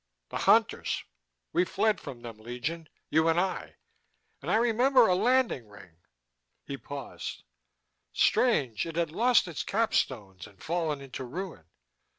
"The Hunters! We fled from them, Legion, you and I. And I remember a landing ring...." He paused. "Strange, it had lost its cap stones and fallen into ruin."